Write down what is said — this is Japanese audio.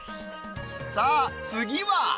さあ、次は。